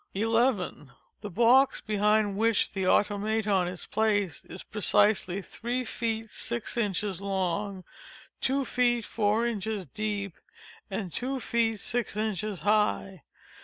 11. The box behind which the Automaton is placed, is precisely three feet six inches long, two feet four inches deep, and two feet six inches high.